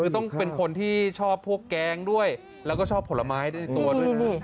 ต้องเป็นคนที่ชอบพวกแกงด้วยและก็ชอบผลไม้ด้วย